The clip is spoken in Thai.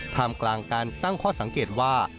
ท่ามกลางการตั้งข้อสังเกตว่า